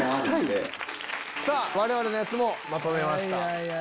我々のやつもまとめました。